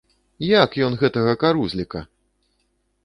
Як ён гэтага карузліка!